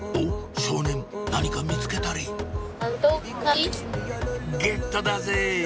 少年何か見つけたりゲットだぜ！